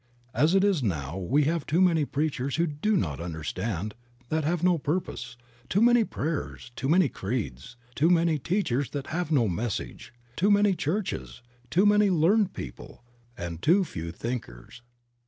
As it now is we have too many preachers who do not understand, that have no purpose ; too many prayers, too many creeds, too many teachers, that have no message ; too many churches, too many "learned" people, and too few thinkers.